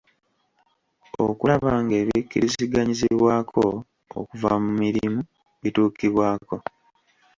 Okulaba ng'ebikkiriziganyizibwako okuva mu mirimu bituukibwako.